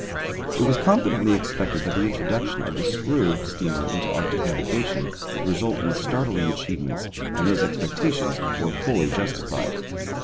It was confidently expected that the introduction of the screw steamer into Arctic navigation would result in startling achievements, and those expectations were fully justified.